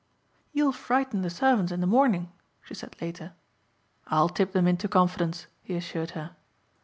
"You'll frighten the servants in the morning," she said later. "I'll tip them into confidence," he assured her.